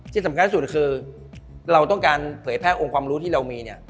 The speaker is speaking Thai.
ที่สำคัญที่สุดคือเราต้องการเผยแพร่องค์ความรู้ที่เรามีเนี่ย